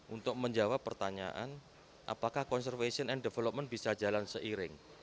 untuk menjawab pertanyaan apakah conservation and development bisa jalan seiring